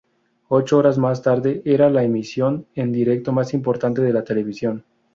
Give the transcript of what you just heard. Ocho horas más tarde era la emisión en directo más importante de la televisión.